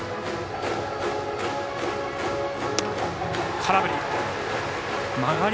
空振り。